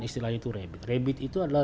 istilahnya itu rebit rebit itu adalah